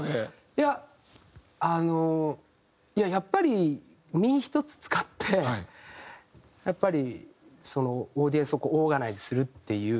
いやあのやっぱり身ひとつ使ってやっぱりオーディエンスをオーガナイズするっていう。